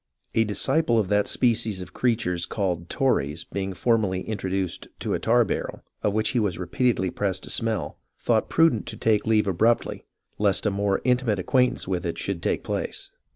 ... A disciple of that species of creatures called Tories being formally introduced to a tar barrel, of which he was repeatedly pressed to smell, thought prudent to take leave abruptly lest a more intimate acquaintance with it should take place."